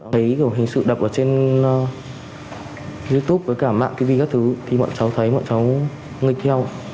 thấy kiểu hình sự đập ở trên youtube với cả mạng tv các thứ thì bọn cháu thấy bọn cháu nghe theo